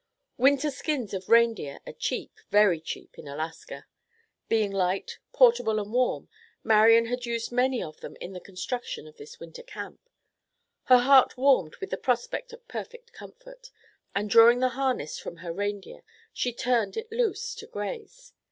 Winter skins of reindeer are cheap, very cheap in Alaska. Being light, portable and warm, Marian had used many of them in the construction of this winter camp. Her heart warmed with the prospect of perfect comfort, and drawing the harness from her reindeer, she turned it loose to graze.